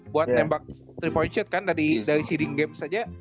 buat nembak three point shot kan dari seeding games aja